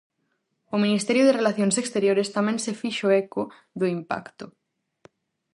O ministerio de Relacións Exteriores tamén se fixo eco do "impacto".